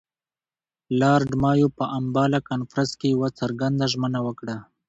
لارډ مایو په امباله کنفرانس کې یوه څرګنده ژمنه وکړه.